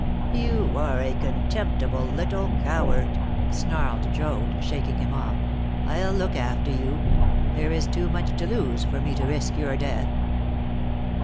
"You are a contemptible little coward!" snarled Joad, shaking him off. "I'll look after you. There is too much to lose for me to risk your death."